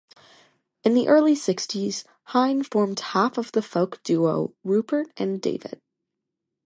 In the early sixties, Hine formed half of the folk duo Rupert and David.